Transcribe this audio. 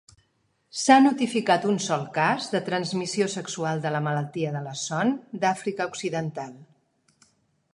S'ha notificat un sol cas de transmissió sexual de la malaltia de la son d'Àfrica occidental.